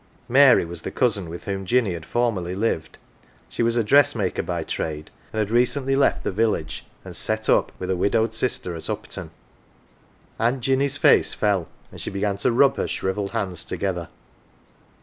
"" Mary was the cousin with whom Jinny had formerly lived. She was a dressmaker by trade, and had recently left the village and " set up " with a widowed sister at Upton. Aunt Jinny's face fell, and she began to rub her shrivelled hands together.